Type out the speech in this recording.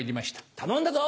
頼んだぞ！